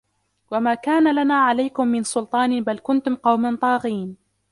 وما كان لنا عليكم من سلطان بل كنتم قوما طاغين